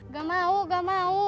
gak mau gak mau